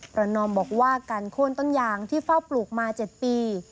นอมบอกว่าการโค้นต้นยางที่เฝ้าปลูกมา๗ปี